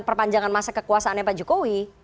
perpanjangan masa kekuasaan yang pak jokowi